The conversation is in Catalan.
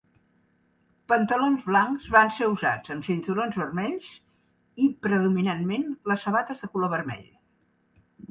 Pantalons blancs van ser usats amb cinturons vermells i predominantment les sabates de color vermell.